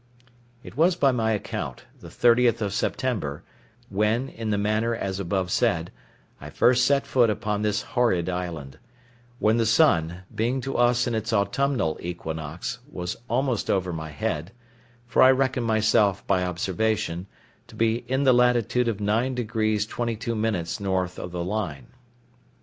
It was by my account the 30th of September, when, in the manner as above said, I first set foot upon this horrid island; when the sun, being to us in its autumnal equinox, was almost over my head; for I reckoned myself, by observation, to be in the latitude of nine degrees twenty two minutes north of the line.